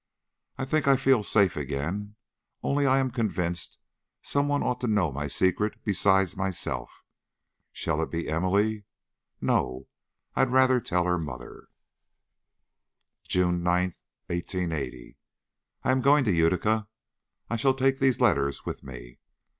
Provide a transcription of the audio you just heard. I think I feel safe again, only I am convinced some one ought to know my secret besides myself. Shall it be Emily? No. I'd rather tell her mother." "JUNE 9TH, 1880. I am going to Utica. I shall take these letters with me.